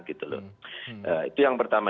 itu yang pertama